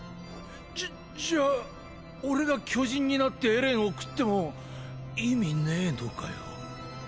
じじゃあ俺が巨人になってエレンを食っても意味ねぇのかよ。